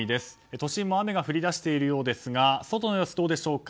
都心も雨が降り出しているようですが外の様子どうでしょうか。